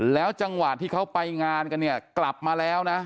แล้วจังหวะที่เขาไปงานกันเนี่ยกลับมาแล้วนะ